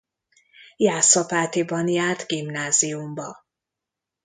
Jászapátiban járt gimnáziumba.